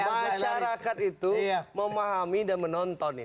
masyarakat itu memahami dan menonton